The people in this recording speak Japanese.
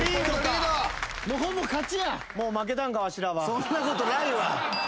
そんなことないわ。